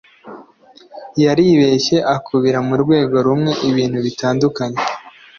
Yaribeshye akubira mu rwego rumwe ibintu bitandukanye